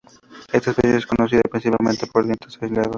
Esta especie es conocida principalmente por dientes aislados.